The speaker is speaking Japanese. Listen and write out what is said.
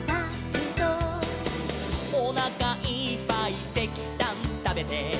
「」「おなかいっぱいせきたんたべて」